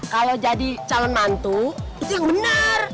kalau jadi calon mantu itu yang benar